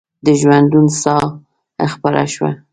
د ژوندون ساه خپره شوه